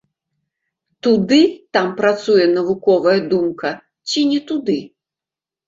Туды там працуе навуковая думка, ці не туды.